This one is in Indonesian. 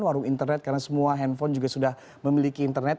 warung internet karena semua handphone juga sudah memiliki internet